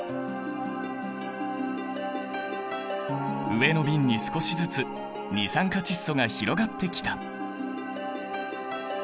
上の瓶に少しずつ二酸化窒素が広がってきた！